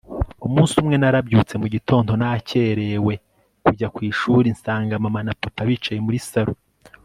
umunsi umwe narabyutse mugitondo nakerewe kujya kwishuri nsanga mama na papa bicaye muri salon